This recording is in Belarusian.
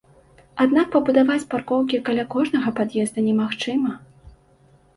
Аднак пабудаваць паркоўкі каля кожнага пад'езда немагчыма.